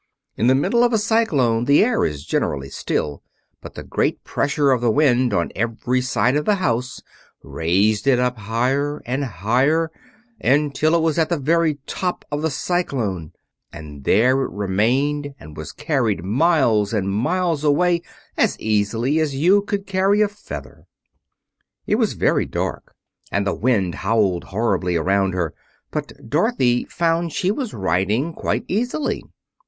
In the middle of a cyclone the air is generally still, but the great pressure of the wind on every side of the house raised it up higher and higher, until it was at the very top of the cyclone; and there it remained and was carried miles and miles away as easily as you could carry a feather. It was very dark, and the wind howled horribly around her, but Dorothy found she was riding quite easily.